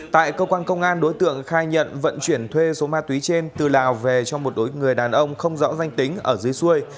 tại cơ quan công an đối tượng khai nhận vận chuyển thuê số ma túy trên từ lào về cho một đối người đàn ông không rõ danh tính ở dưới xuôi